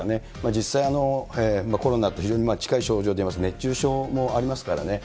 実際、コロナと非常に近い症状でいいますと、熱中症もありますからね。